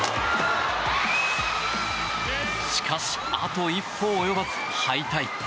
しかしあと一歩及ばず、敗退。